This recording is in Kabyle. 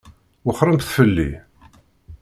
Wexxṛemt fell-i!